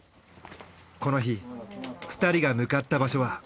この日２人が向かった場所は。